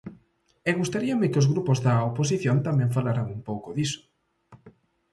E gustaríame que os grupos da oposición tamén falaran un pouco diso.